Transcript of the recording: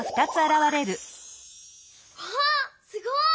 わっすごい！